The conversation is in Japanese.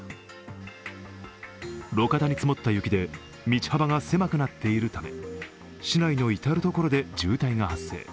路肩に積もった雪で道幅が狭くなっているため市内の至る所で渋滞が発生。